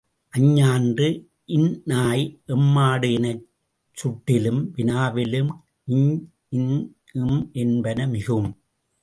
அஞ்ஞான்று, இந்நாய், எம்மாடு எனச் சுட்டிலும் வினாவிலும் ஞ், ந், ம் என்பன மிகும்.